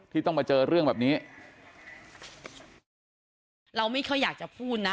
ต้องมาเจอเรื่องแบบนี้เราไม่ค่อยอยากจะพูดนะ